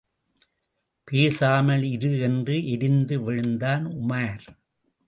பேசாமல் இரு என்று எரிந்து விழுந்தான் உமார்.